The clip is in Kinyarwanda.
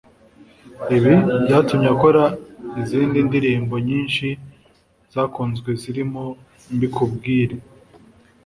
Ibi byatumye akora izindi ndirimbo nyinshi zakunzwe zirimo; Mbikubwire